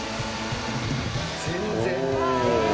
全然。